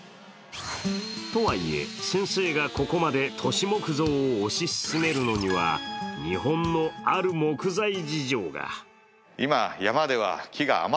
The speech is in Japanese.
とはいえ先生が、ここまで都市木造を推し進めるのには日本のある木材事情が。